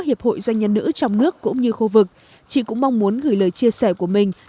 từ phía gia đình và người thân